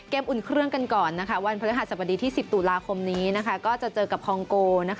อุ่นเครื่องกันก่อนวันพฤหัสบดีที่๑๐ตุลาคมนี้ก็จะเจอกับคองโก